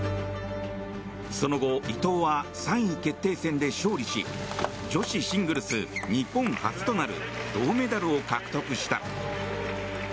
その後、伊藤は３位決定戦で勝利し女子シングルス日本初となる銅メダルを獲得した。